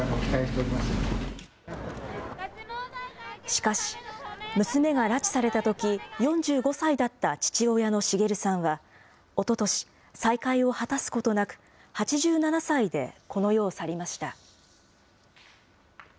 しかし、娘が拉致されたとき、４５歳だった父親の滋さんは、おととし、再会を果たすことなく８７歳でこの世を去りました。